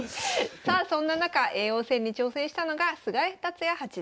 さあそんな中叡王戦に挑戦したのが菅井竜也八段です。